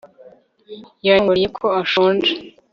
Yanyongoreye ko ashonje